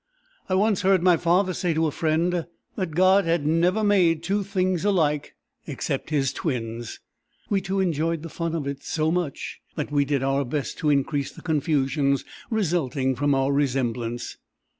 I once heard my father say to a friend, that God had never made two things alike, except his twins. We two enjoyed the fun of it so much, that we did our best to increase the confusions resulting from our resemblance.